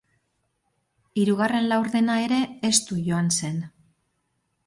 Hirugarren laurdena ere estu joan zen.